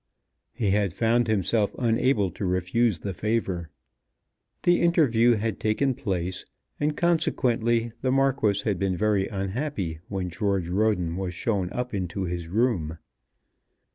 He had found himself unable to refuse the favour. The interview had taken place, and consequently the Marquis had been very unhappy when George Roden was shown up into his room.